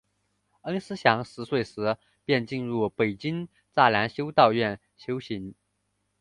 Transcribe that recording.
师恩祥十岁时便进入北京栅栏修道院修行。